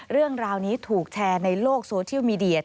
เรื่องราวนี้ถูกแชร์ในโลกโซเชียลมีเดีย